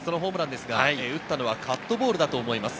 打ったのはカットボールだと思います。